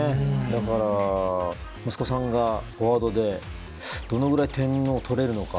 だから、息子さんがフォワードでどのぐらい点を取れるのか。